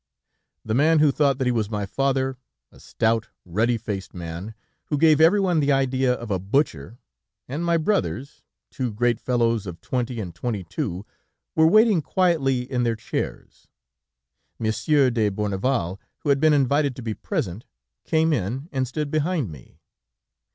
"The man who thought that he was my father, a stout, ruddy faced man, who gave everyone the idea of a butcher, and my brothers, two great fellows of twenty and twenty two, were waiting quietly in their chairs. Monsieur de Bourneval, who had been invited to be present, came in and stood behind me.